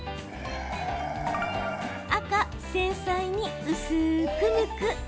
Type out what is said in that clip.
赤・繊細に薄くむく。